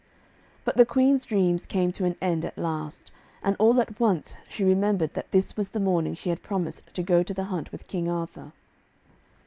But the Queen's dreams came to an end at last, and all at once she remembered that this was the morning she had promised to go to the hunt with King Arthur.